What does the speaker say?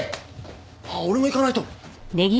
あっ俺も行かないと。